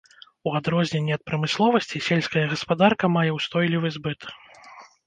У адрозненні ад прамысловасці, сельская гаспадарка мае ўстойлівы збыт.